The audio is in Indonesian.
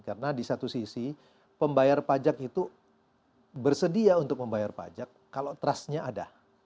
karena di satu sisi pembayar pajak itu bersedia untuk membayar pajak kalau trustnya ada